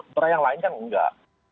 suara yang lain kan enggak